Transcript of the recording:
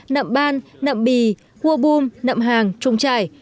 nậm ban nậm bì hua bum nậm hàng trung trải